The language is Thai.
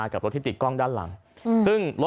จังหวะเดี๋ยวจะให้ดูนะ